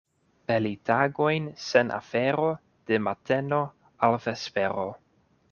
Peli tagojn sen afero de mateno al vespero.